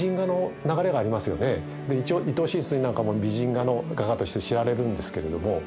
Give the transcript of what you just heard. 一応伊東深水なんかも美人画の画家として知られるんですけれども。